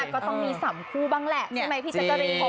ก็ต้องมีสามคู่บ้างแหละพี่เจฟตัวลิง